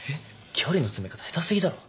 距離の詰め方下手すぎだろ。